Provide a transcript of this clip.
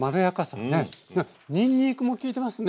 にんにくも利いてますね。